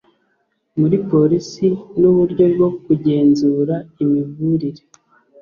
muri Polisi n uburyo bwo kugenzura imivurire